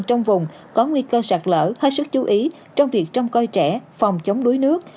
trong vùng có nguy cơ sạt lở hết sức chú ý trong việc trông coi trẻ phòng chống đuối nước